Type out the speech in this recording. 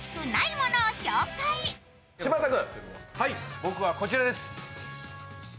僕はこちらです。